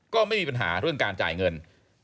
ก็ไม่มีปัญหาเรื่องการจ่ายเงิน